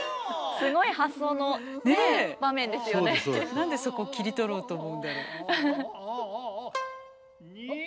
何でそこ切り取ろうと思うんだろ？